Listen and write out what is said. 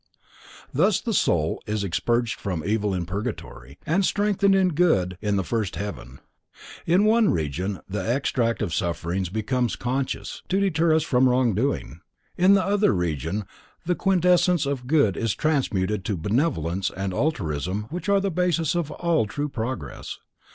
Thus, the soul is purged from evil in purgatory, and strengthened in good in the first heaven. In one region the extract of sufferings become conscience to deter us from doing wrong, in the other region the quintessence of good is transmuted to benevolence and altruism which are the basis of all true progress.